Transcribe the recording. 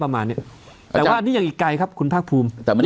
แต่ว่าอันนี้ยังไกลครับคุณภาคภูมิ